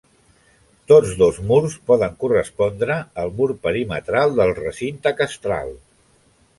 Tots dos murs poden correspondre al mur perimetral del recinte castral.